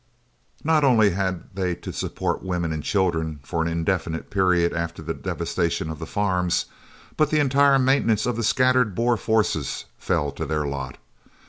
Not only had they to support women and children for an indefinite period after the devastation of the farms, but the entire maintenance of the scattered Boer forces fell to their lot.